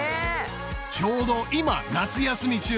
ちょうど今夏休み中。